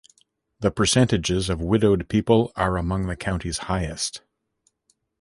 The percentages of widowed people were among the county's highest.